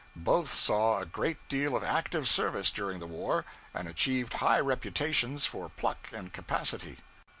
Both saw a great deal of active service during the war, and achieved high reputations for pluck and capacity.